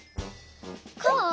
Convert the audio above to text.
こう？